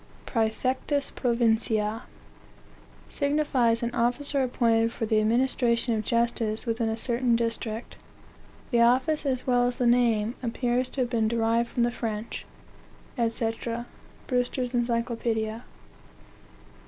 Praefectus provinciae,) signifies an officer appointed for the administration of justice within a certain district. The office, as well as the name, appears to have been derived from the French," &c. Brewster's Encyclopedia.